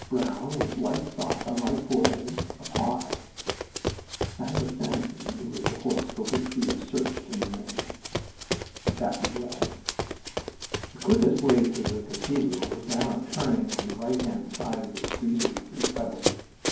Brown, with white sock on right foreleg. Apply " I have a fancy it was the horse for which we had searched in the rain. XII The quickest way to the cathedral is down a turning on the right hand side of the Street of the Three Pebbles.